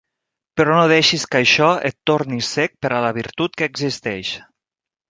Però no deixis que això et torni cec per a la virtut que existeix